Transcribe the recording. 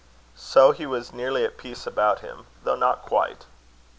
So he was nearly at peace about him though not quite.